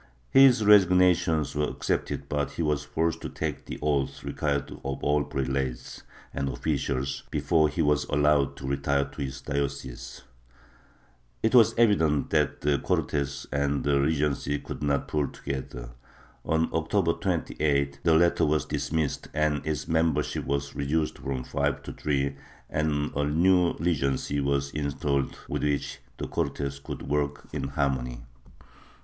His resignations were accepted but he was forced to take the oath required of all prelates and officials before he was allowed to retire to his diocese. It was evident that the Cortes and the Regency could not pull together; on October 28th, the latter was dismissed, its membership was reduced from five to three and a new Regency was installed with which the Cortes could work in harmony.